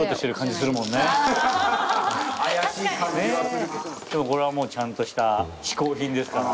でもこれはもうちゃんとしたしこう品ですから。